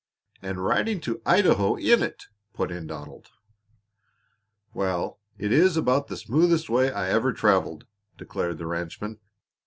"And riding to Idaho in it," put in Donald. "Well, it is about the smoothest way I ever traveled!" declared the ranchman.